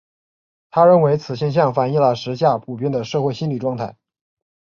他认为此现象反映了时下普遍的社会心理状态。